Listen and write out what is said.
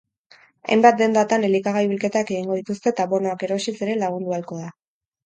Hainbat dendatan elikagai bilketak egingo dituzte eta bonoak erosiz ere lagundu ahalko da.